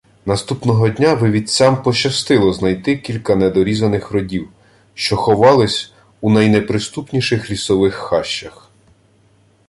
Наступного дня вивідцям пощастило знайти кілька недорізаних родів, що ховались у найнеприступніших лісових хащах.